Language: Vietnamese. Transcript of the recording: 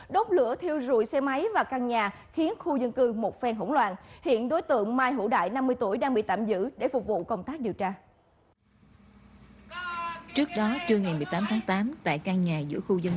đốt lửa thiêu rùi xe máy và căn nhà khiến khu dân cư một phèn hỗn loạn